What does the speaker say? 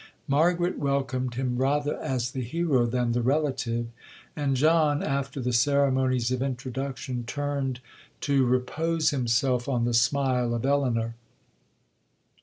Margaret welcomed him rather as the hero than the relative; and John, after the ceremonies of introduction, turned to repose himself on the smile of Elinor.